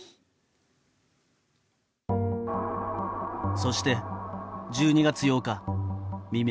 そして、１２月８日未明。